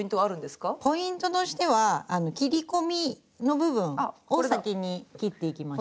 ポイントとしては切り込みの部分を先に切っていきましょう。